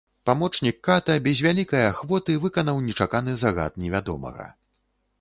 Памочнік ката без вялікай ахвоты выканаў нечаканы загад невядомага.